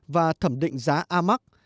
và thẩm định giá amac